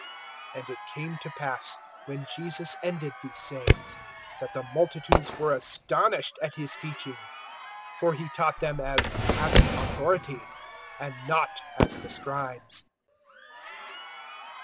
(28)And it came to pass, when Jesus ended these sayings, that the multitudes were astonished at his teaching. (29)For he taught them as having authority, and not as the scribes.